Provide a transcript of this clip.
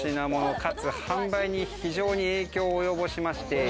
かつ販売に非常に影響およぼしまして。